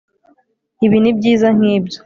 ibi nibyiza nkibyo